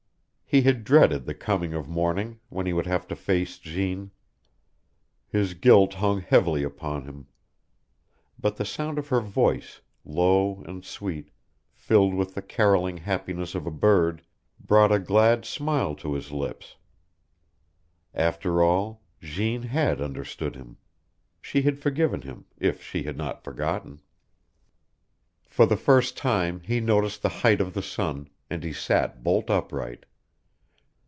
He had dreaded the coming of morning, when he would have to face Jeanne. His guilt hung heavily upon him. But the sound of her voice, low and sweet, filled with the carroling happiness of a bird, brought a glad smile to his lips. After all, Jeanne had understood him. She had forgiven him, if she had not forgotten. For the first time he noticed the height of the sun, and he sat bolt upright.